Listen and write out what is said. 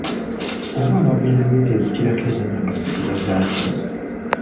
Oba ababeera n'ezo ezikirako eza Nnamulimi ziba zaaki ?